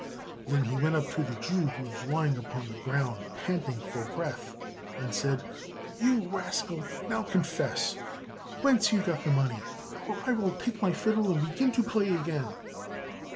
Then he went up to the Jew, who was lying upon the ground panting for breath, and said, "You rascal, now confess, whence you got the money, or I will take my fiddle and begin to play again."